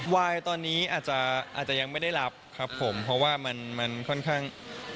วายตอนนี้อาจจะยังไม่ได้รับครับผมเพราะว่ามันค่อนข้าง